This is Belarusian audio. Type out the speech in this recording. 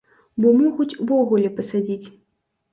Бо могуць увогуле пасадзіць.